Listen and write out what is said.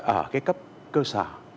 ở cái cấp cơ sở